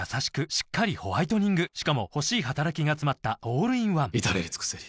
しっかりホワイトニングしかも欲しい働きがつまったオールインワン至れり尽せり